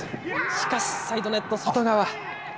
しかしサイドネット、外側。